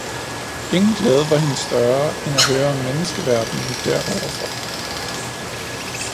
Ingen glæde var hende større, end at høre om menneskeverdenen der ovenfor.